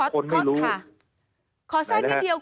คุณชูวิทย์ค่ะขอแสดงเดียว